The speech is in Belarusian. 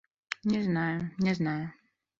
Не знаю, не знаю.